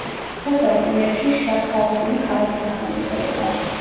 შუა საუკუნეებში შაფჰაუზენი ქალაქი-სახელმწიფო იყო.